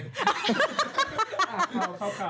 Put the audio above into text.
เห้อ